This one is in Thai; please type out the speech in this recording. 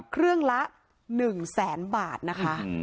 เครื่องละ๑๐๐๐๐๐๐บาทนะคะ